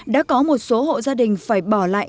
đã có một số hộ gia đình phải bỏ lại